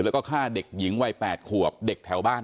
แล้วก็ฆ่าเด็กหญิงวัย๘ขวบเด็กแถวบ้าน